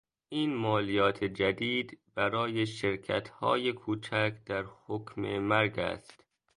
این مالیات جدید برای شرکتهای کوچک در حکم مرگ است.